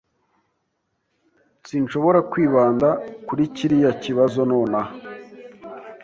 Sinshobora kwibanda kuri kiriya kibazo nonaha.